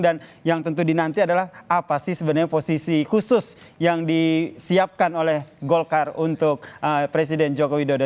dan yang tentu dinanti adalah apa sih sebenarnya posisi khusus yang disiapkan oleh golkar untuk presiden joko widodo